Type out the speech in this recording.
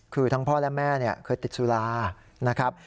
คือทั้งพ่อและแม่เคยติดสุรานะครับ